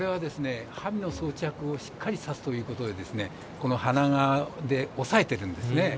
ハミの装着をしっかりさせるということでこの鼻革で押さえているんですね。